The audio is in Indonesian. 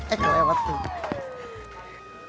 eh kelewat tuh